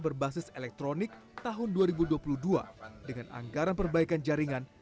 berbasis elektronik tahun dua ribu dua puluh dua dengan anggaran perbaikan jaringan